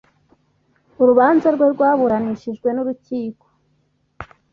urubanza rwe rwaburanishijwe n Urukiko